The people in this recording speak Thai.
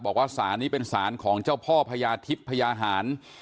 บอกว่าสารนี้เป็นศาลของเจ้าพ่อพญาทิพย์พญาหาร